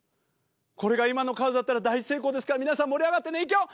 これが今のカードだったら大成功ですから皆さん盛り上がってねいくよ！